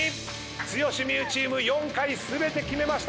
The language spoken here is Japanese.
剛・望結チーム４回全て決めました。